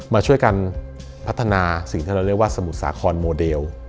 มาช่วยกันพัฒนาสิ่งที่เราเรียกว่าสมุทรสาครโมเดล